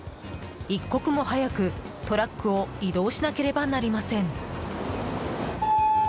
一刻も早く、トラックを移動しなければなりません。